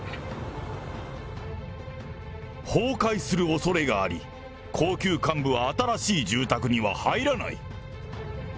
崩壊するおそれがあり、高級幹部は新しい住宅には入らない。